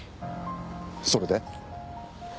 それで？